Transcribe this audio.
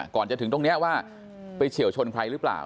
ก่อนจะถึงตรงนี้ว่าไปเฉียวชนใครหรือเปล่า